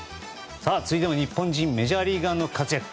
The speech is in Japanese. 続いても日本人メジャーリーガーの活躍。